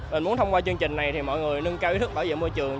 mình muốn thông qua chương trình này thì mọi người nâng cao ý thức bảo vệ môi trường